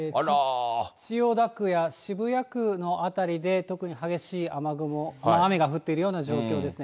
千代田区や渋谷区の辺りで、特に激しい雨雲、雨が降っているような状況ですね。